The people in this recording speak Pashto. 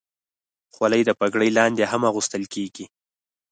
خولۍ د پګړۍ لاندې هم اغوستل کېږي.